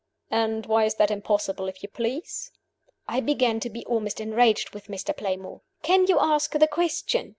"And why is that impossible, if you please?" I began to be almost enraged with Mr. Playmore. "Can you ask the question?"